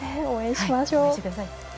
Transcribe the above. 応援しましょう。